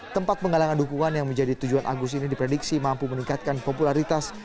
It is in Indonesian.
tempat penggalangan dukungan yang menjadi tujuan agus ini diprediksi mampu meningkatkan popularitas